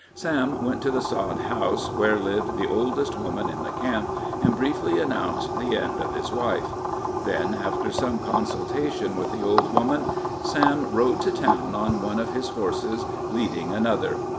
Sam went to the sod house, where lived the oldest woman in the camp, and briefly announced the end of his wife. Then, after some consultation with the old woman, Sam rode to town on one of his horses, leading another.